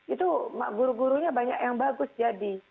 itu guru gurunya banyak yang bagus jadi